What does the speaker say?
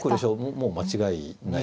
もう間違いない。